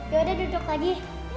yaudah duduk lagi